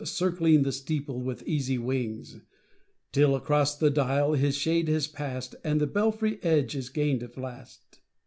Circling the steeple with easy wings. Till across the dial his shade has pass'd, And the belfry edge is gain'd at last.